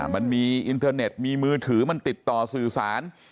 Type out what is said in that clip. มันมีอินเทอร์เน็ตมีมือถือมันติดต่อสื่อสาร